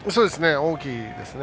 大きいですね。